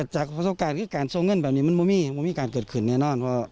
จากประสบการณ์คือการโซเงินแบบนี้มันไม่มีมันไม่มีการเกิดขึ้นอ่ะ